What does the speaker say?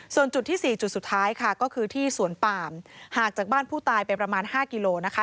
ส่วนจุดที่๔จุดสุดท้ายค่ะก็คือที่สวนปามห่างจากบ้านผู้ตายไปประมาณ๕กิโลนะคะ